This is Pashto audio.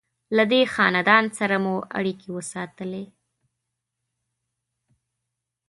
له دې خاندان سره مو اړیکې وساتلې.